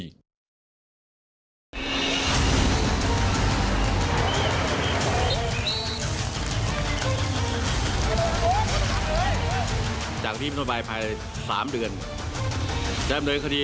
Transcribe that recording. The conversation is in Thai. สนุนโดยเอกลักษณ์ใหม่ในแบบที่เป็นคุณโอลี่คัมรี่